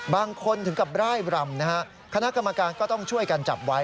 ถึงกับร่ายรำนะฮะคณะกรรมการก็ต้องช่วยกันจับไว้